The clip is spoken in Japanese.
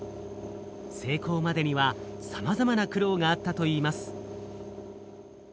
成功までにはさまざまな苦労があったといいます。